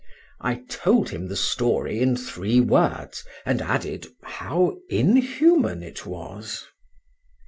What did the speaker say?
—I told him the story in three words; and added, how inhuman it was.